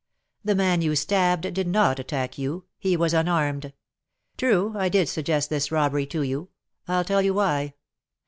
"The man you stabbed did not attack you, he was unarmed. True, I did suggest this robbery to you, I'll tell you why.